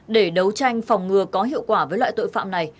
để đấu tranh phòng ngừa có hiệu quả với loại tội phạm này